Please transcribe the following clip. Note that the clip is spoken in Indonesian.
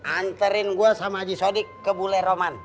anterin gue sama haji sodik ke bule roman